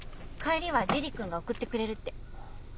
帰りは珠里君が送ってくれるって。